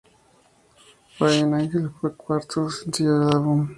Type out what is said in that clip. Fallen Angel fue el cuarto sencillo del álbum.